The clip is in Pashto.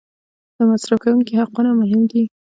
د مصرف کوونکي حقونه مهم دي.